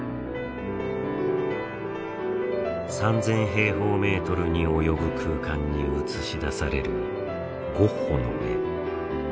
平方メートルに及ぶ空間に映し出されるゴッホの絵。